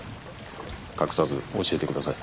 隠さず教えてください